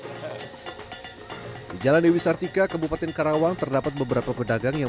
di jalan dewi sartika kebupaten karawang terdapat beberapa pedagang yang